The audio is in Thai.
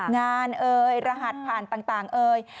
งานรหัสผ่านต่างเลย